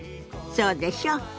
そうでしょ？